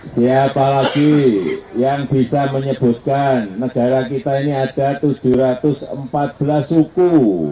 siapa lagi yang bisa menyebutkan negara kita ini ada tujuh ratus empat belas suku